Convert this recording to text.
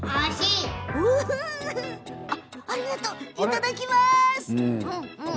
いただきます。